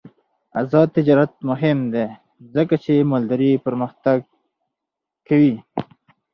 آزاد تجارت مهم دی ځکه چې مالداري پرمختګ کوي.